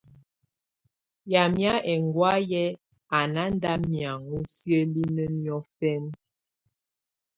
Yamɛ̀á ɛŋgɔ̀áyɛ̀ á nà nda miaŋgɔ siǝ́linǝ níɔ̀fɛna.